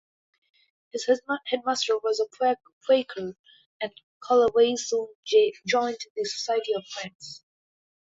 His headmaster was a Quaker, and Callaway soon joined the Society of Friends.